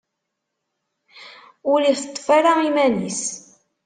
Ur iteṭṭef ara iman-is.